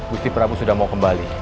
bukti prabu sudah mau kembali